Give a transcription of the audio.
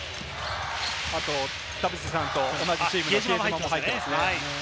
あと田臥さんと同じチームの比江島も入ってきましたね。